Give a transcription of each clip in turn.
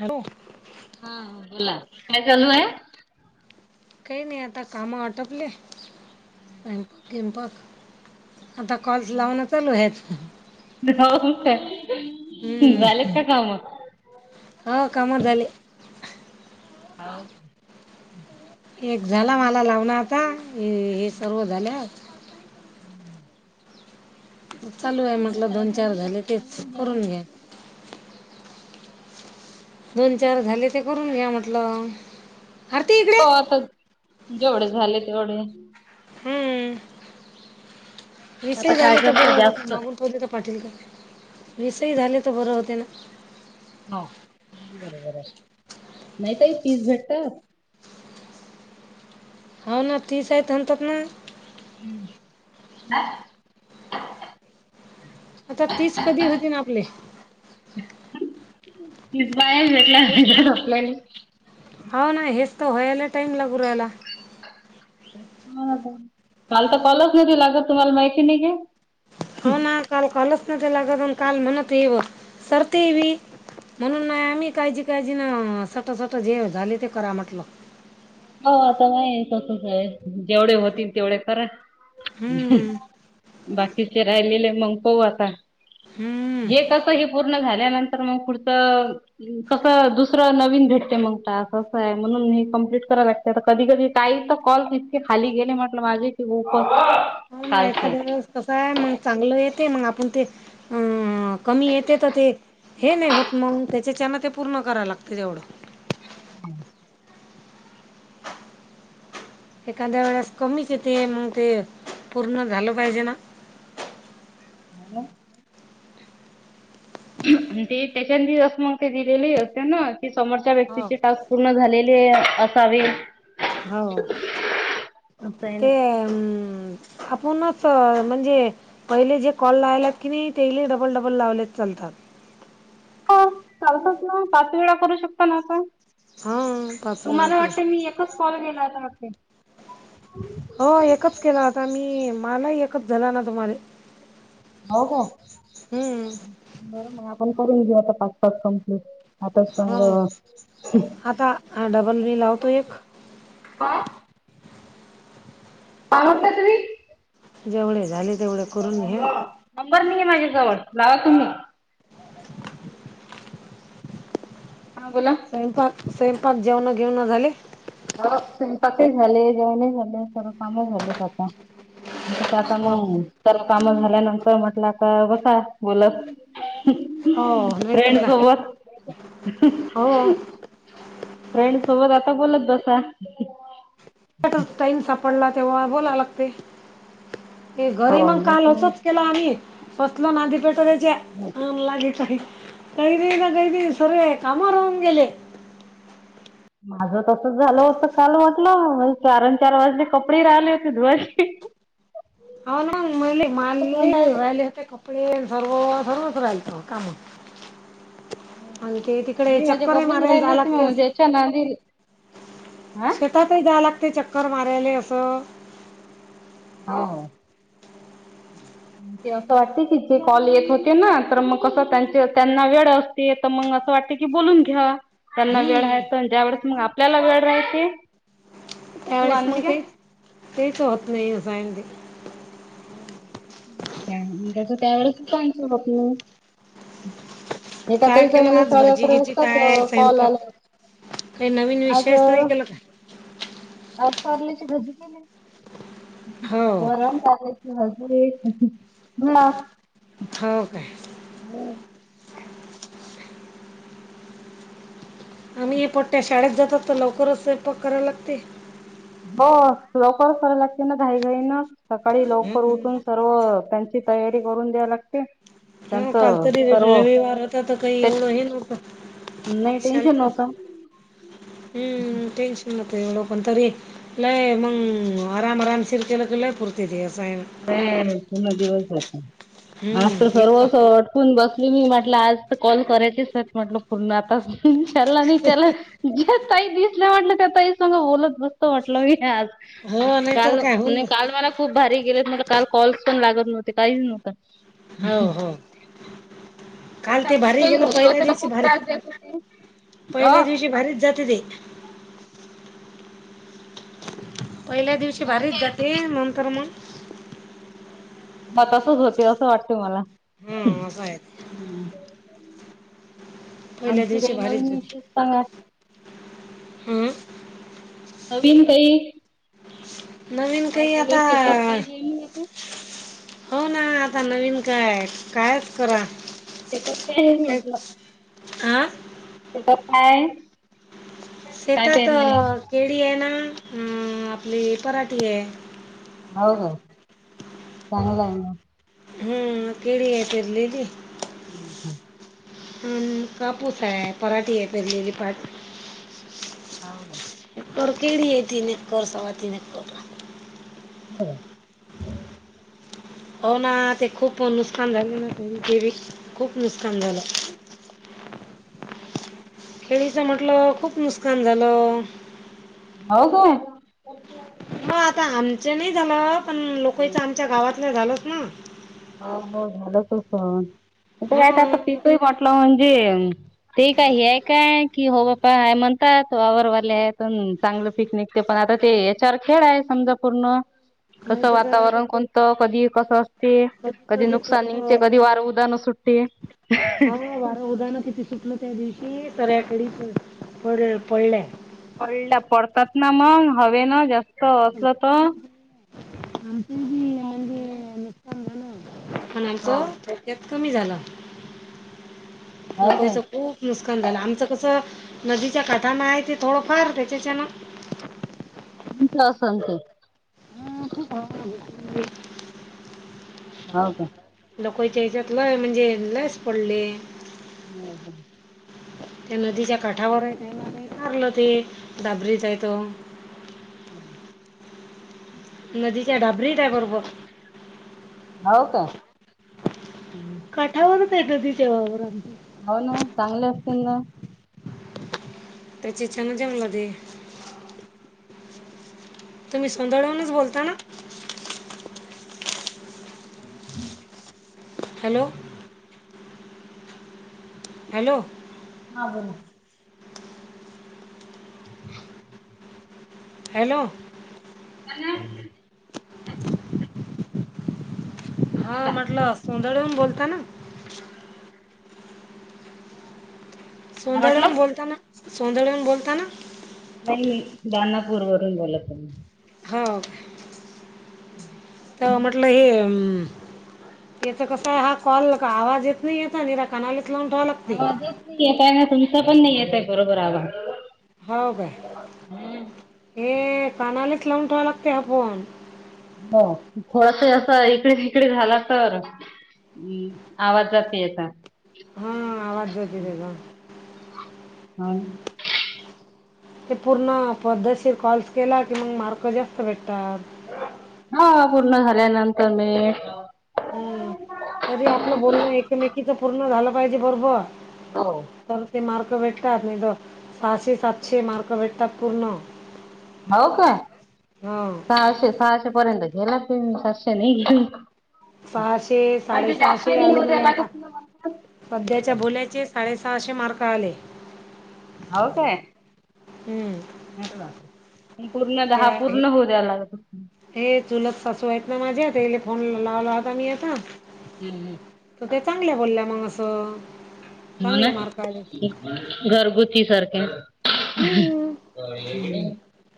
Hello ह बोला काय चालू आहे काही नाही आता काम आटपले प किंपत आता कॉल्स लावन चालू हेच हो का झालेच का काम हा काम झाले हा एक झाला मला लावण आता हे सर्व झाले चालू आहे आज म्हटलं काय दोन चार बनवलं झाले होत तेच नवीन करून जेवणात? घ्या दोन चार झाले ते करून घ्या म्हटलं आरती इकडे हो आता जेवढे झाले तेवढे हम्म विषे आता काय त करता बरो जास्त मगून प पाटीलग विसही झाले तर बरं होते ना हा बरोबर आहे नाही तई तीस भेटतस ह ना ठीस आहे तन ततना हम्म ना आता तीच कधी होती ना आपले बाहे भेटला पाहिज आपल्याने ह ना हस तरो होय आलले टाइम लागूरेला. काल तर कॉलच न लागत तुम्हाला माहिती नाही घे. हो ना काल कालच लागत काल म्हणती येव सरतिची म्हणून नाही आम्ही काळजी काळजी ना सटसट जे झाले ते करा म्हटलं. हो आता मा त आहे जेवढे होतील तेवढे करा. हम्म बाकीचे राहिलेले मग पाहू आता. हम्म हे कस पूर्ण झाल्यानंतर मग पुढंच कस दुसर नवीन भेटतय. मग काय असच आहे म्हणून मी कंप्लीट राग कधी कधी काही तर कॉल इतके खाली गेले म्हटलं मागे हो एखाद्या वेळेस कस आहे मग चांगलं येते मग आपण ते [inaudible] अं, कमी येते तर ते हे नाही होत मग त्याच्याच्यान ते पूर्ण करायला लागते तेवढं. [inaudible] एखाद्या वेळेस कमीच येते मग ते पूर्ण झालं पाहिजे ना. झालं ते त्याच्या असं मग ते दिलेले असते ना की समोरच्या हो व्यक्तीची टास्क पूर्ण झाले. पूर्ण झाले असावेत. हो ते फोनच म्हणजे पहिले जे कॉल लावलेत की नाही ते डबल डबल लावले चालतात. हो चालतच ना पाच वेळा करू शकता ना आपण. हा पाच वेळा तुम्हाला वाटत कृष्ण मी एकच कॉल केेला होता वाटते. हो एकच केला होता मी मलाही एकच झाला ना तुम्हाले. हो हो. बरं मग आपण करून घेऊ आता पाच पाच कमप्लीट. हा आता डबल बी लावतो एक. काय? काय म्हंटला तुम्ही? जेवळेच नंबर नाही आहे माझ्या जवळ लावा तुम्ही. हा बोला. स्वयंपाक स्वयंपाक जेवण घेवण झाली. हो स्वयंपाक झाले जेवण झाले सर्व काम झाले आता. आता हो मग तर काम झाल्यानंतर म्हटलं का बसा बोलत. नाहीतर फ्रेंड काय सोबत. हो. फ्रेंड सोबत आता बोलत बसा. टाईम सापडला तेव्हा बोला लागते. हे घरी हो मग मी काल तर असच केला आम्ही फसल नांद पेठ आणगे काही कही ना कही सर्वे कामा राहून गेले. माझ तस झालं होत काल म्हटलं चार चार वाजले कपडे राहिले होते धुवायची. [inaudible] [inaudible] आप सर्व म्हणजे सर्वच राहितं काम. आणि ते तिकडे नाही माझे चक्करही कपडेच मारायला राहिले जा होते लागते. म्हणजे याच्या नांदी हा शेतातही द्या लागते चक्कर मारायले असं. हा. ते असं वाटते की जे कॉल येत होते ना तर मग कसं त्यांचे त्यांना वेळ असते तर मग असं वाटत की बोलून घ्या. त्यांना वेळ हम्म हय ज्या वेळेस मग आपल्याला वेळ राहायचे. त्यावेळेस मग ते तेच होत नाही अस सायं ते तस त्या वळेस [unintelligible] ए पच काय केलं म्हण आज साडे भाजी अकरा गिजी वाजताात काय कॉल स्वयंपाक आला. काही नवीन विषयच नाही केला का? आज कारल्याची भाजी केली, हो वरण-भात [inaudible] हो काय हम्म आम्ही ए पट्टया शाळेत जातात तर लवकरच स्वयंपाक करायला लागते. हो लवकर कराव लागते ना घाई-घाई ना सकाळी लवकर हम्म. उठून सर्व त्यांची तयारी करून द्या लागते. हा काल त्यांचं तरी र सर्व रविवारताता काही एवढं त्या हे नव्हतं. नाही टेन्शन शांत नव्हता. हम्म टेंशन तेवढं पण तरी लय मंग आराम-आरामशीर केलं की लय पूर्ती दिवस [unintelligible] पूर्ण दिवस जातं, आज तर हम्म सर्व एक स अटकून बस ली मी म्हटलं आज तर कॉल करायचेच म्हटलं पूर्ण आता ह्याला नी त्याला जे ताई दिसल्या वाटलं काय ताई संग बोलत बसतं वाटलं मी आज. हो नाहीतर काल काय होऊन नाही काल मला खूप भारी गेलेत म्हटलं कॉल्स पण लागत नव्हते काहीच नव्हता. हो हो. आणि काल ते भारी मुंबई गेलं घरी पहिल्या होते तर दिवशी खूप भारी त्रास देत होते. अ पहिल्या दिवशी भारीच जाते ते. पहिल्या दिवशी भारीच जाते नंतर मग हा तसचं होते असं वाटतं मला. हा असं आहे पहिल्या आणखी दिवशी काही भारीच नवीन जाते. विशेष सांगात. हम्म. नवीन काही नवीन काय काही चालू आहे आता शेतात काय नवीन आता? हो ना आता नवीन काय कायच करा तेच्यात काय हे म्हटलं. आं तेच्यात काय शेतात पेरलेलं आहे? केळी आहे ना अं आपली पराठी आहे. हो का चांगलं आहे मग. हम्म कीडी आहे तिरलीली हम्म हम्म. हन कापूस आहे पराठी आहे पेरलेली पाठ हा उदया कर केडी आहे तिने कर सवा तिने करा. हो हो ना ते खूप नुकसान झालं ना खूप नुकसान झालं [inaudible] खेळीचा म्हटलं खूप नुसकान झालं. हो काय म आता आमचं नाही झालं पण लोकइचा आमच्या गावातलं झालंच ना. हो हो झालं तसं न तर काय आता हो पीकही वाटलं म्हण जे अं ते काय हे आहे काय की हो बप्पा हाय म्हणतात आवरवाले आहे त मंग चांग चांगलं पिकनिक ते पण आता ते याच्यावर खेळ आहे समजा पूर्ण नाही कसं तर काय वातावरण कोणतं कधी कसं असते. कधी नुकसान निंगते, कधी वारा उदान सुटते. ती सऱ्याकडे पड पड पडल्या. पडला पडतात ना मग हवे ना जास् त असलं तर सांगना पण आमचा हो. थोडक्या कमी झाला. हो काय? लोकवयचा खूप नुसकान झालं आमचं कसं नदीच्या काठाना आहे ते थोडंफार त्याच्या चनं मी प्ला सांगते. मला खूप आवड होती. [unintelligible] हा का? लकोच्या हच्यातलं म्हणजे लच पडले [unintelligible] हम् हम् [unintelligible] त्या नदीच्या काठावर य मारलं ते दाबरीच य तो [unintelligible] हम् [unintelligible] नदीच्या ढाबणीत आहे बरोबर [unintelligible] हो का [unintelligible] हम्म. काठावरर तेडदी जवावरर आ [unintelligible] हो ना चांगले असतील ना [unintelligible] ते चिचाां ना जमला दे [unintelligible] तुम्हीोंदडळवूनच बोलता ना [unintelligible] ह [unintelligible] हॅलो हॅलो ह ब ना [unintelligible] हॅलो हम [unintelligible] हा म्हटलं सोंदळे येऊन बोलता ना [unintelligible] काय सोध्याळऊून म्हटलं बोलताना सोध्याऊून बोलताना [unintelligible] नाही दनापूर वरून बोलतही [unintelligible] हो का [unintelligible] तर म्हटलं हे [unintelligible] याचा कस आहे हा कॉल आवाज येत नाही यता निरा कना लाून राव लागते [unintelligible] काय ना तुमचा पण नाही येत आहे बरोबर हवा [unintelligible] हो काय हे कानालाच लावून ठेवा लागते हा फोन [unintelligible] हो थोडस असं इकडे तिकडे झाला तर हम्म आवाज जाते यता [unintelligible] हा आवाज जोतीर आहे का [unintelligible] हो ते पूर्ण पद्धशीर कॉल्स केला की मग मार्क जास्त भेटतात [unintelligible] हा पूर्ण झाल्यानंतर मी [unintelligible] कधी [unintelligible] आपलं बोलणं एकमेकीच पूर्ण झालं पाहिजे बरोबर हो तर ते मार [unintelligible] मारक भेट्ट साश साते मार्क भेट्टात पूर्ण [unintelligible] हो काय हा सहाशे सहाशे पर्यंत [unintelligible] एला तीन सस्याने [unintelligible] सहाशे साडेसहाशे नाही आले होऊ म्हले द्यायला का आता पुन्हा म्हणतात. सध्याच्या भोल्याचेच [unintelligible] साडेसहाशे मार्क आले हो का हम्म [unintelligible] त्या हे लागत होते. हे चुलत सासू आहेत ना माझ्या [unintelligible] तेले फोन लावला होता मी आता [unintelligible] हम्म हम्म [unintelligible] तर ते चांगल्या बोलल्या मग अस [unintelligible] म ना घरगुची सारखे [unintelligible] हम्म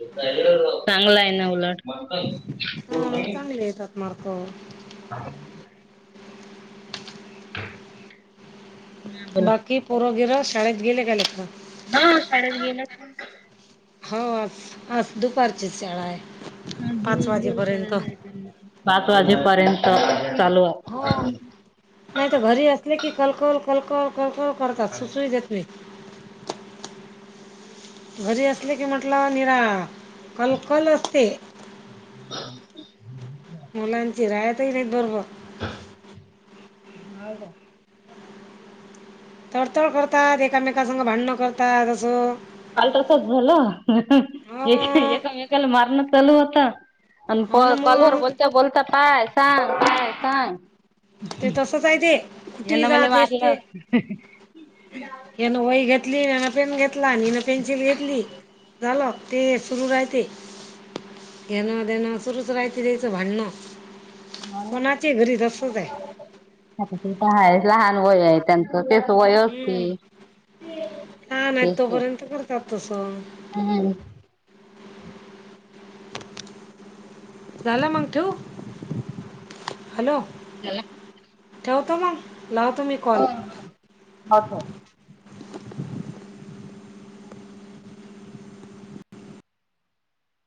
चांगला आहे ना उलट [unintelligible] मग काय खोलून टाकील हो [unintelligible] [unintelligible] बोला बाकी पोरोगिर शाळेत गेले काय लेखन हा शाळेत गेला. हो आज दुपारचीच शाळा आहे. आ पाच दिवसभर वाजेपर्यंत शाळायच्या पाच वाजेपर्यंत चालू आहे. हो नाही तर घरी असले की कलकल कलकल कर कर करतात सुचुही देत नाही. घरी असले की म्हटलं निरा कलकल असते. [inaudible] मुलांचीि रायताही नाही बरोबर हो का? तडतड करतात एकामेकास भांडणं करतात असं आल तसाच झाल हा एमेकाला मारण चालू होता आणि प हो ना कलवरर मग बोलता बोलता काय सांग काय सांग ते तसंच आहे ते कुठेही यांना जा मला मारला यान वई घेतली यान पेन घेतला आणिन पेन्सिल घेतली झालं ते सुरू राहते येण देणं सुरूच राहती द्यायचं भांडणं कोणाचे घरी तसंच आहे होय लहान वय आहे त्यांच तेच वय असती लहान आहेत तेसू तोपर्यंत करतात तसं हम् झालं मग ठेव हॅलो त्याला ठेवत म लाव तु मही कॉल अच्छा